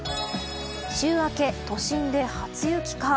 週明け都心で初雪か。